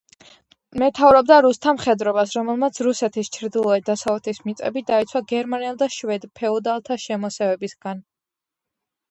მეთაურობდა რუსთა მხედრობას, რომელმაც რუსეთის ჩრდილოეთ-დასავლეთის მიწები დაიცვა გერმანელ და შვედ ფეოდალთა შემოსევებისაგან.